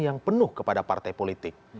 yang penuh kepada partai politik